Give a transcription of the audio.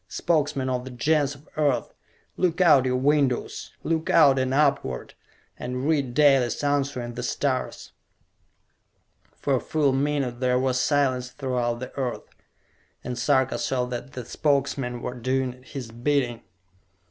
Spokesmen of the Gens of Earth, look out your windows! Look out and upward and read Dalis' answer in the stars!" For a full minute there was silence throughout the earth, and Sarka saw that the Spokesmen were doing his bidding.